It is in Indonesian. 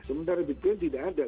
sementara bitcoin tidak ada